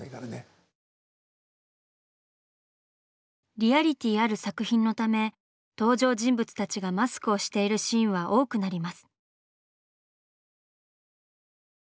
リアリティーある作品のため登場人物たちがマスクをしているシーンは多くなります。